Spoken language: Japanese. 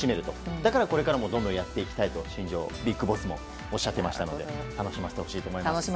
だからこれからもどんどんやっていきたいと新庄ビッグボスもおっしゃっていましたので楽しませてほしいと思います。